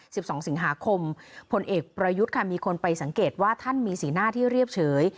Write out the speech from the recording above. สิบสองสิงหาคมผลเอกประยุทธ์ค่ะมีคนไปสังเกตว่าท่านมีสีหน้าที่เรียบเฉย